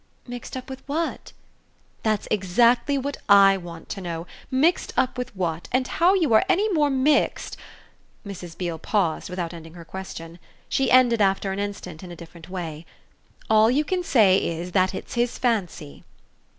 "Mixed up with what?" "That's exactly what I want to know: mixed up with what, and how you are any more mixed ?" Mrs. Beale paused without ending her question. She ended after an instant in a different way. "All you can say is that it's his fancy."